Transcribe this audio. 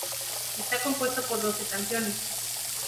Está compuesto por doce canciones.